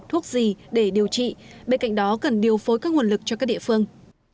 thuốc gì để điều trị bên cạnh đó cần điều phối các nguồn lực cho các địa phương